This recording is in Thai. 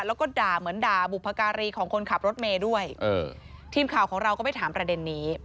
แล้วก็ด่าเหมือนด่าบุพการีของคนขับรถเมย์ด้วยเออทีมข่าวของเราก็ไปถามประเด็นนี้